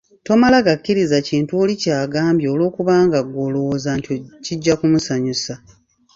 Tomala gakkiriza kintu oli ky'akugambye olw'okubanga ggwe olowooza nti kijja kumusanyusa.